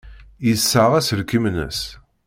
Yessaɣ aselkim-nnes.